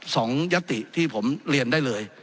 ยัตติที่ผมเรียนได้เลย